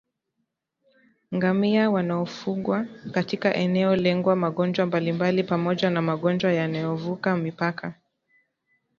ngamia wanaofugwa katika eneo lengwa magonjwa mbalimbali pamoja na magonjwa yanayovuka mipaka